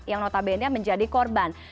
yang notabene menjadi korban